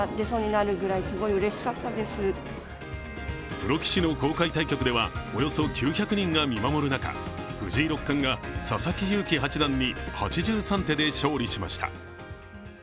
プロ棋士の公開対局ではおよそ９００人が見守る中藤井六冠が佐々木勇気八段に８３手で勝利しました。